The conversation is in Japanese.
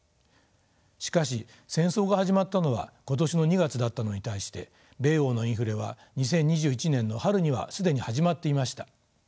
しかし戦争が始まったのは今年の２月だったのに対して米欧のインフレは２０２１年の春には既に始まっていました。